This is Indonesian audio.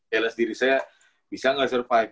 challenge diri saya bisa gak survive